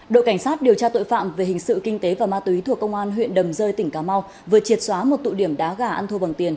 đội cảnh sát điều tra tội phạm về hình sự kinh tế và ma túy thuộc công an huyện đầm rơi tỉnh cà mau vừa triệt xóa một tụ điểm đá gà ăn thua bằng tiền